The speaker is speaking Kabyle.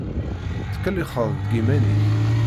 Ttkellixeɣ deg yiman-iw.